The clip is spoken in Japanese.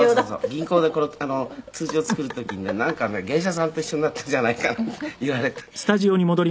「銀行でこの通帳作る時にねなんかね芸者さんと一緒になったんじゃないかなんて言われた」